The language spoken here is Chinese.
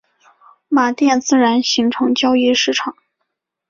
马甸自然形成交易市场。